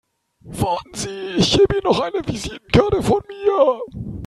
Warten Sie, ich gebe Ihnen noch eine Visitenkarte von mir.